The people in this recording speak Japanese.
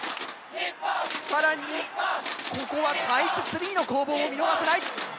更にここはタイプ３の攻防も見逃せない。